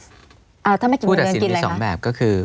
ถ้าไม่กินเงินเดือนกินอะไรคะพูดศิลป์มี๒แบบก็คือ